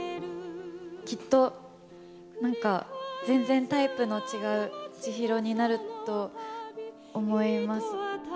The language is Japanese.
きっとなんか、全然タイプの違う千尋になると思います。